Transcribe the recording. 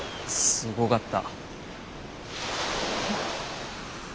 すごかった。